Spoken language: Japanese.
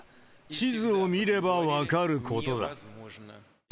地図を見れば分かることだ。